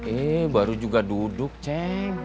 eh baru juga duduk ceng